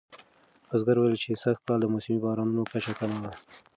بزګر وویل چې سږکال د موسمي بارانونو کچه کمه وه.